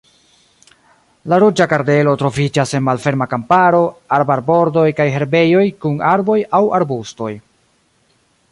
La Ruĝa kardelo troviĝas en malferma kamparo, arbarbordoj kaj herbejoj kun arboj aŭ arbustoj.